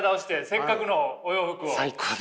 せっかくのお洋服を。